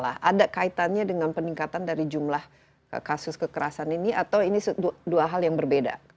ada kaitannya dengan peningkatan dari jumlah kasus kekerasan ini atau ini dua hal yang berbeda